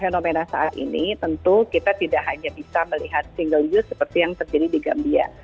fenomena saat ini tentu kita tidak hanya bisa melihat single use seperti yang terjadi di gambia